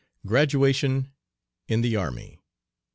GRADUATION IN THE ARMY.